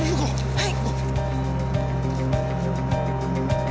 はい！